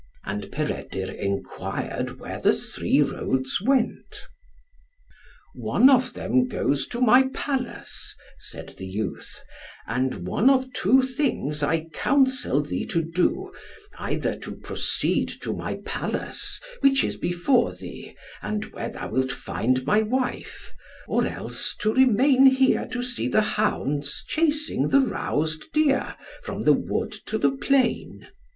And Peredur enquired where the three roads went. "One of them goes to my palace," said the youth, "and one of two things I counsel thee to do, either to proceed to my palace, which is before thee, and where thou wilt find my wife, or else to remain here to see the hounds chasing the roused deer from the wood to the plain.